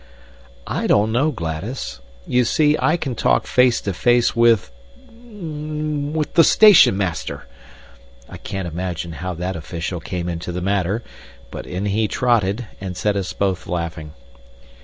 "I don't know, Gladys. You see, I can talk face to face with with the station master." I can't imagine how that official came into the matter; but in he trotted, and set us both laughing.